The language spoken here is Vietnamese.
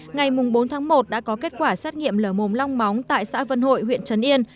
ngày bốn tháng một đã có kết quả xét nghiệm lở mồm long móng tại xã vân hội huyện trấn yên